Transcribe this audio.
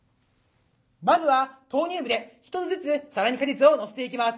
まずは投入部で１つずつ皿に果実を載せていきます。